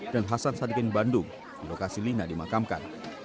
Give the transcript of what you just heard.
dan hasan sadikin bandung di lokasi lina dimakamkan